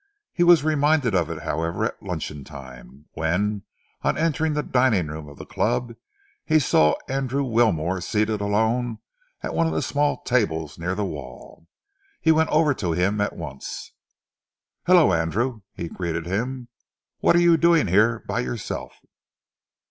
He was reminded of it, however, at luncheon time, when, on entering the dining room of the club, he saw Andrew Wilmore seated alone at one of the small tables near the wall. He went over to him at once. "Hullo, Andrew," he greeted him, "what are you doing here by yourself?"